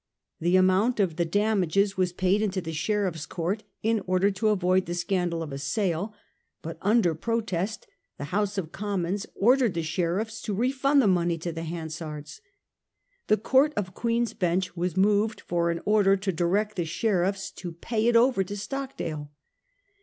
The amount of the damages was paid into the Sheriff's Court in order to avoid the scandal of a sale, but under protest ; the House of Commons ordered the sheriffs to refund the money to the Hansards ; the Court of Queen's Bench was moved for an order to direct the sheriffs to pay 192 A HISTORY OF OUR OWN TIMES. on. ix it over to Stockdaie.